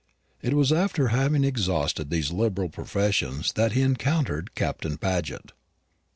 It was after having exhausted these liberal professions that he encountered Captain Paget.